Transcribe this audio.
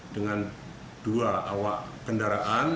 dengan dua awak kendaraan